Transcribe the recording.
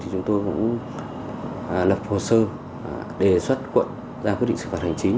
chúng tôi cũng lập hồ sơ đề xuất quận ra quyết định xử phạt hành chính